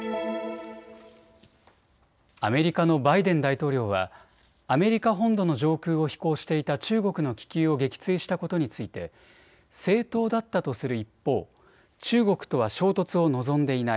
アメリカのバイデン大統領はアメリカ本土の上空を飛行していた中国の気球を撃墜したことについて正当だったとする一方、中国とは衝突を望んでいない。